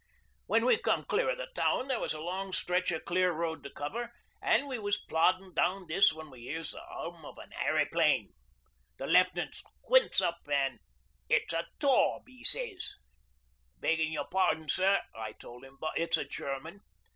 'When we come clear o' the town there was a long stretch o' clear road to cover, an' we was ploddin' down this when we hears the hum o' an airyplane. The Left'nant squints up an' "It's a Tawb," he sez. '"Beggin' your pardon sir," I told 'im, "but it's a German.